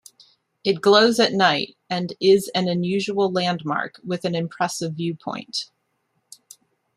It glows at night and is an unusual landmark, with an impressive viewpoint.